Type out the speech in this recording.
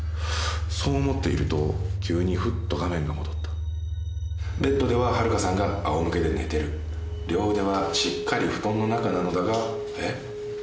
そう思っていると急にふっと画面が戻ったベッドではハルカさんがあおむけで寝てる両腕はしっかり布団の中なのだがえっ？